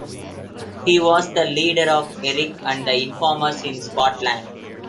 He was the leader of Eric and the Informers in Scotland.